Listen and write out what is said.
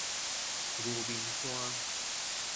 牛眠山